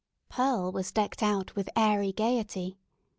Pearl was decked out with airy gaiety.